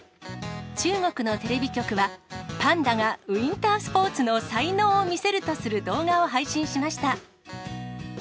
中国のテレビ局は、パンダがウインタースポーツの才能を見せるとする動画を配信しました。